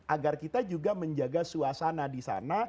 agar kita juga menjaga suasana di sana